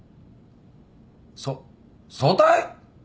そっ早退？